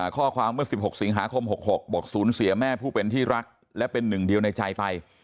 ข้อความเมื่อ๑๖สิงหาคม๖๖บอกศูนย์เสียแม่ผู้เป็นที่รักและเป็นหนึ่งเดียวในใจไป